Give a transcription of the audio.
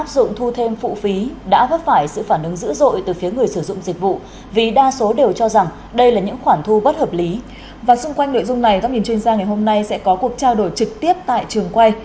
xung quanh nội dung này các nhìn chuyên gia ngày hôm nay sẽ có cuộc trao đổi trực tiếp tại trường quay